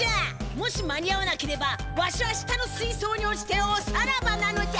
もし間に合わなければわしは下のすいそうに落ちておさらばなのじゃ。